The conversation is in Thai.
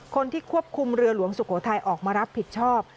คนที่ควบคุมเรือหลวงสุโขทัยออกมารับผิดชอบ